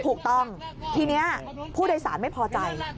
ถูกต้องทีนี้ผู้โดยสารไม่พอใจ